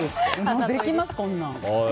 できます、こんなの。